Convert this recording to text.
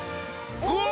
うわ！